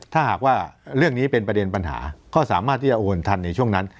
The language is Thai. ถ้าหากว่าเรื่องนี้เป็นประเด็นปัญหาก็สามารถที่จะโอนทันในช่วงนั้น